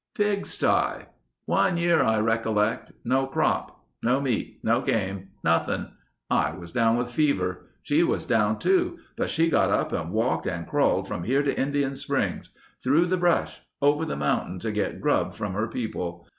"Pig sty.... One year I recollect, no crop. No meat. No game. Nothing. I was down with fever. She was down too, but she got up and walked and crawled from here to Indian Springs. Through the brush. Over the mountain to get grub from her people.